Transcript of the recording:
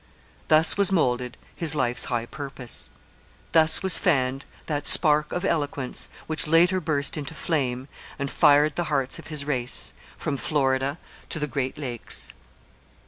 Thus was moulded his life's high purpose; thus was fanned that spark of eloquence which later burst into flame and fired the hearts of his race, from Florida to the Great Lakes.